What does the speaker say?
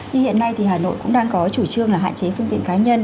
nhưng hiện nay thì hà nội cũng đang có chủ trương là hạn chế phương tiện cá nhân